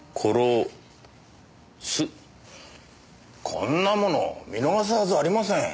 こんなもの見逃すはずありません。